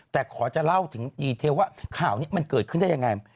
แต่ขอจะเล่าถึงดีเทลว่าข่าวนี้มันเกิดขึ้นได้ยังไง